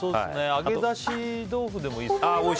揚げだし豆腐でもいいですか。